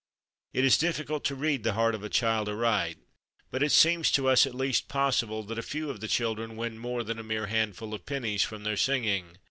It is difficult to read the heart of a child aright, but it seems to us at least possible that a few of the children win more than a mere handful of pennies from their singing.